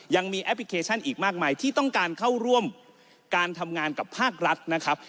ยังมีแอปพลิเคชันอีกมากมายที่ต้องการเข้าร่วมการทำงานกับภาครัฐนะครับ